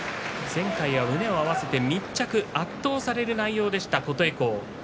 前回は胸を合わせて密着圧倒される内容でした、琴恵光。